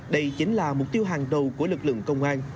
đây chính là mục tiêu hàng đầu của lực lượng công an